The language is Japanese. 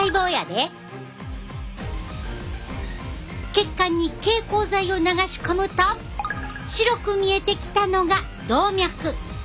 血管に蛍光剤を流し込むと白く見えてきたのが動脈。